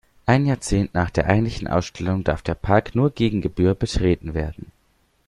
Ein Jahrzehnt nach der eigentlichen Ausstellung darf der Park nur gegen Gebühr betreten werden.